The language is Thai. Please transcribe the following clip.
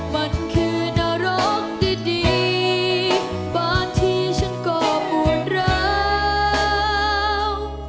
มันคือนร้องดีบ้านที่ฉันก็บวนราว